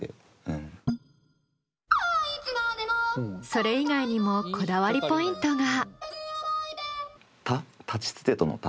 それ以外にもこだわりポイントが。